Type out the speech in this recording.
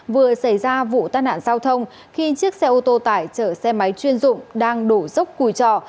vừa xảy ra vụ tai nạn giao thông khi chiếc xe ô tô tải chở xe máy chuyên dụng đang đổ dốc cùi trọ